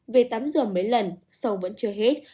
về tắm giường mấy lần sầu vẫn chưa hết